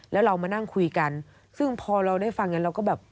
แล้วเรามานั่งคุยกันซึ่งพอเราได้ฟังกันเราก็แบบ